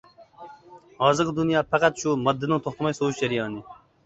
ھازىرقى دۇنيا پەقەت شۇ ماددىنىڭ توختىماي سوۋۇشى جەريانى.